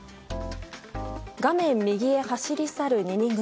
画面右へ走り去る２人組。